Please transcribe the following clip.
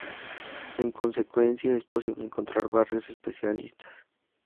En consecuencia, es posible encontrar barrios especialistas.